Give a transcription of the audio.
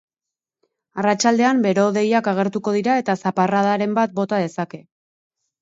Arratsaldean bero-hodeiak agertuko dira eta zaparradaren bat bota dezake.